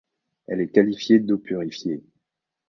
Elle est qualifiée d'eau purifiée.